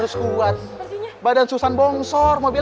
iya masuk rumah sakit